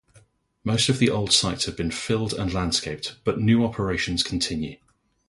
Most of the old sites have been filled and landscaped, but new operations continue.